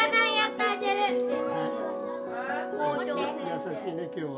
優しいね今日は。